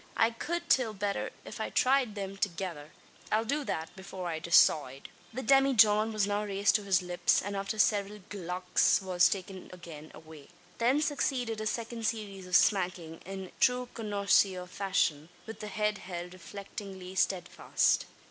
I cowld till betther if I thryed thim thegither. I'll do that, before I decoide." The demijohn was now raised to his lips; and, after several "glucks" was again taken away. Then succeeded a second series of smacking, in true connoisseur fashion, with the head held reflectingly steadfast.